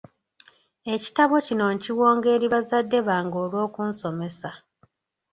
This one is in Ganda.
Ekitabo kino nkiwonga eri bazadde bange olw’okunsomesa.